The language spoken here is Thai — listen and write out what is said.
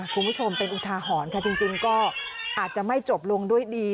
คุณผู้ชมเป็นอุทาหรณ์ค่ะจริงก็อาจจะไม่จบลงด้วยดี